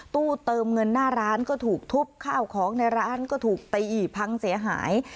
ตู้เติมเงินหน้าร้านก็ถูกทุบข้าวของในร้านก็ถูกตีพังเสียหาย